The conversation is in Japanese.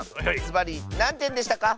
ずばりなんてんでしたか？